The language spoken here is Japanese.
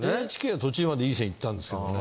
ＮＨＫは途中までいい線行ったんですけどもね。